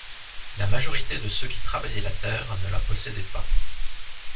La majorité de ceux qui travaillaient la terre ne la possédaient pas.